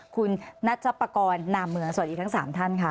คุณนัชปกรณ์นามเมืองสวัสดีทั้ง๓ท่านค่ะ